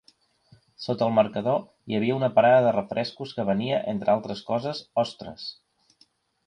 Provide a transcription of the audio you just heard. Sota el marcador hi havia una parada de refrescos que venia, entre altres coses, ostres.